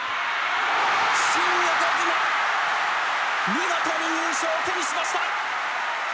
見事に優勝を手にしました！